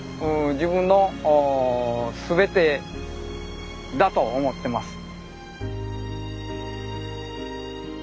自分の全てだと思ってます。